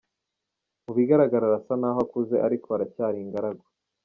Mu bigaragara arasa naho akuze ariko aracyari ingaragu.